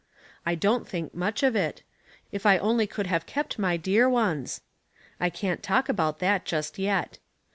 I don't think much of it ; if I only could have kept my dear ones ! I can't talk about that just yet.